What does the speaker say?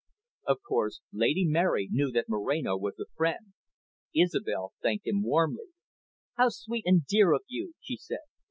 Of course, Lady Mary knew that Moreno was the friend. Isobel thanked him warmly. "How sweet and dear of you," she said.